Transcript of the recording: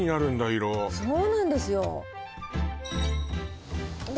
色そうなんですよで